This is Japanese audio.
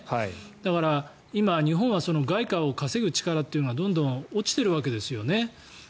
だから今、日本は外貨を稼ぐ力がどんどん落ちているわけですよね。